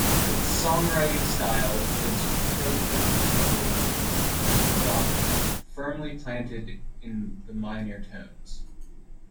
Its songwriting style is prototypically Gothic, "firmly planted in the minor tones".